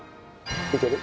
いける？